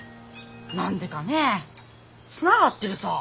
何でかねえつながってるさー！